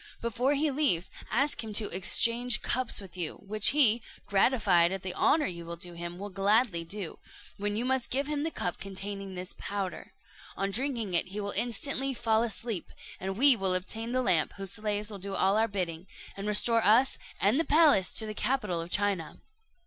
Before he leaves, ask him to exchange cups with you, which he, gratified at the honour you do him, will gladly do, when you must give him the cup containing this powder. On drinking it he will instantly fall asleep, and we will obtain the lamp, whose slaves will do all our bidding, and restore us and the palace to the capital of China."